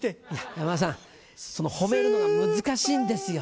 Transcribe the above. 山田さんその褒めるのが難しいんですよ。